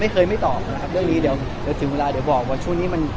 ถ้าถึงบอกว่าเพื่อนของเราเขาจะ